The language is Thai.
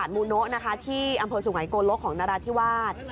อับสูงไหนโกนรงนอกของนาราธิวาส